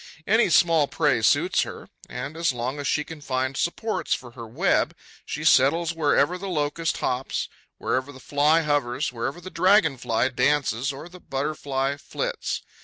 Any small prey suits her; and, as long as she can find supports for her web, she settles wherever the Locust hops, wherever the Fly hovers, wherever the Dragon fly dances or the Butterfly flits.